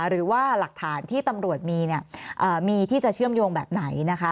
หรือว่าหลักฐานที่ตำรวจมีที่จะเชื่อมโยงแบบไหนนะคะ